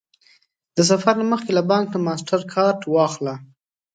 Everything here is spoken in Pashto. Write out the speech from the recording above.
د سفر نه مخکې له بانک نه ماسټرکارډ واخله